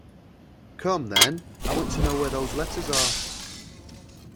Come, then, I want to know where those letters are.